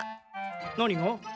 何が？